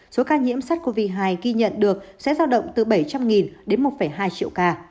số ca nhiễm sắc covid một mươi chín ghi nhận được sẽ giao động từ bảy trăm linh đến một hai triệu ca